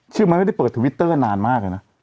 ไม่ได้เปิดทวิตเตอร์นานมากเลยนะ